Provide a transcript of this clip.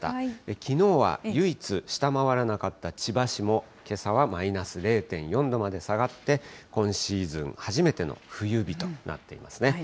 きのうは唯一下回らなかった千葉市も、けさはマイナス０．４度まで下がって、今シーズン初めての冬日となっていますね。